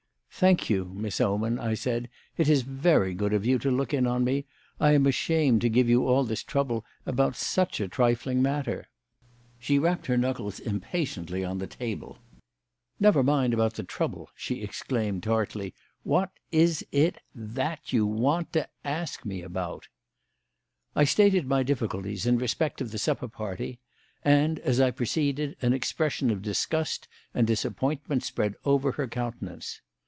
"Thank you, Miss Oman," I said. "It is very good of you to look in on me. I am ashamed to give you all this trouble about such a trifling matter." She rapped her knuckles impatiently on the table. "Never mind about the trouble," she exclaimed tartly. "What is it that you want to ask me about?" I stated my difficulties in respect of the supper party, and, as I proceeded, an expression of disgust and disappointment spread over her countenance.